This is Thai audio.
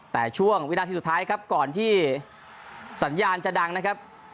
แต่ช่วงวินาทีสุดท้ายครับก่อนที่สัญญาณจะดังนะครับ